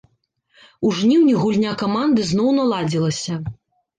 У жніўні гульня каманды зноў наладзілася.